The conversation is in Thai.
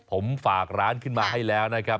ผมฝากร้านขึ้นมาให้แล้วนะครับ